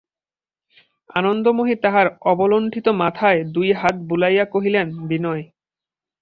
আনন্দময়ী তাহার অবলুণ্ঠিত মাথায় দুই হাত বুলাইয়া কহিলেন, বিনয়!